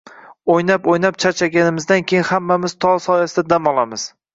O‘ynab-o‘ynab charchaganimizdan keyin hammamiz tol soyasida dam olamiz.